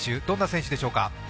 どんな選手でしょうか？